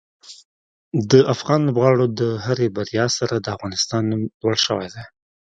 د افغان لوبغاړو د هرې بریا سره د افغانستان نوم لوړ شوی دی.